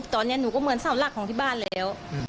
ตอนนี้หนูก็เหมือนเสาหลักของที่บ้านแล้ว